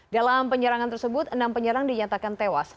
dalam penyerangan tersebut enam penyerang dinyatakan tewas